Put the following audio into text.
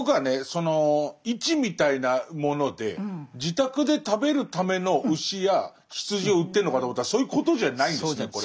その市みたいなもので自宅で食べるための牛や羊を売ってるのかと思ったらそういうことじゃないんですねこれは。